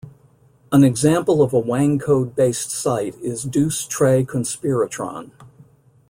An example of a Wangcode-based site is "Deuce Tre - Conspiratron".